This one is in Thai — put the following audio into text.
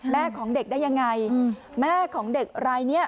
แม่ของเด็กได้ยังไงแม่ของเด็กอะไรนี่